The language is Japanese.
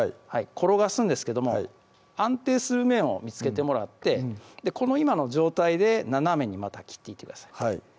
転がすんですけども安定する面を見つけてもらってこの今の状態で斜めにまた切っていってください